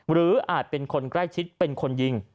อาจเป็นคนใกล้ชิดเป็นคนยิง